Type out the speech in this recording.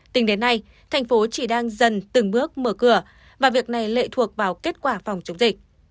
tính đến nay thành phố chỉ đang dần từng bước mở cửa và việc này lệ thuộc vào kết quả phòng chống dịch